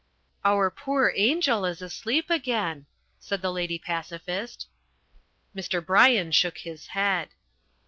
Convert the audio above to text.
"Our poor Angell is asleep again," said The Lady Pacifist. Mr. Bryan shook his head.